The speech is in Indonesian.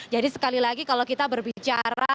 jadi sekali lagi kalau kita berbicara